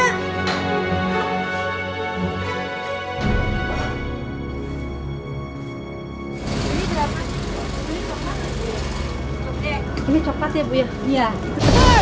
ini cepet ya bu ya